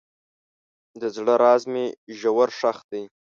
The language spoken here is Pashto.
د زړه راز مې ژور ښخ دی.